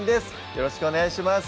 よろしくお願いします